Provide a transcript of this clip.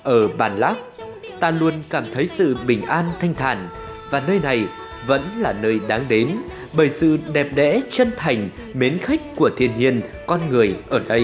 ở bản lác ta luôn cảm thấy sự bình an thanh thản và nơi này vẫn là nơi đáng đến bởi sự đẹp đẽ chân thành mến khách của thiên nhiên con người ở đây